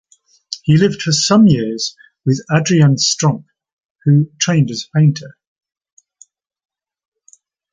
He lived for some years with Adrianne Strammp, who trained as a painter.